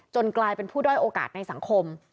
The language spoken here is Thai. กลายเป็นผู้ด้อยโอกาสในสังคม